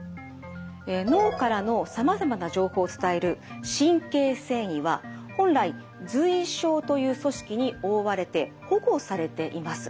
脳からのさまざまな情報を伝える神経線維は本来髄鞘という組織に覆われて保護されています。